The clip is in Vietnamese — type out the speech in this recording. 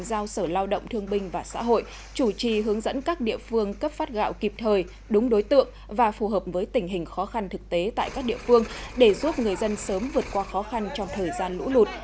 giao sở lao động thương binh và xã hội chủ trì hướng dẫn các địa phương cấp phát gạo kịp thời đúng đối tượng và phù hợp với tình hình khó khăn thực tế tại các địa phương để giúp người dân sớm vượt qua khó khăn trong thời gian lũ lụt